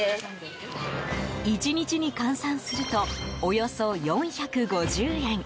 １日に換算するとおよそ４５０円。